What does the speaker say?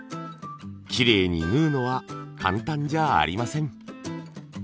きれいに縫うのは簡単じゃありません。